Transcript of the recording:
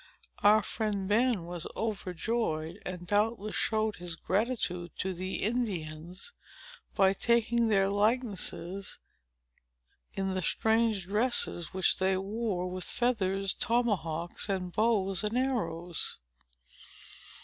Our friend Ben was overjoyed, and doubtless showed his gratitude to the Indians by taking their likenesses, in the strange dresses which they wore, with feathers, tomahawks, and bows and arrows.